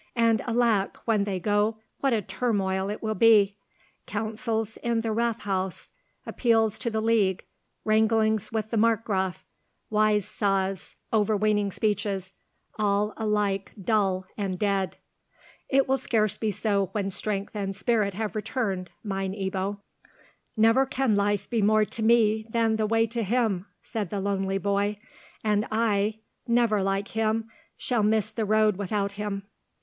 "And alack! when they go, what a turmoil it will be! Councils in the Rathhaus, appeals to the League, wranglings with the Markgraf, wise saws, overweening speeches, all alike dull and dead." "It will scarce be so when strength and spirit have returned, mine Ebbo." "Never can life be more to me than the way to him," said the lonely boy; "and I—never like him—shall miss the road without him."